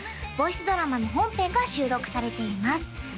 ボイスドラマの本編が収録されています